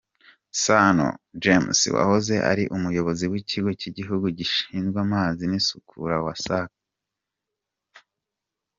Sano James wahoze ari Umuyobozi w’Ikigo cy’Igihugu gishinzwe amazi n’isukura, Wasac.